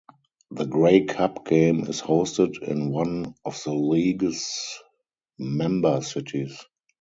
The Grey Cup game is hosted in one of the league's member cities.